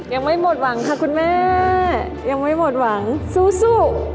ยังไม่หมดหวังค่ะคุณแม่ยังไม่หมดหวังสู้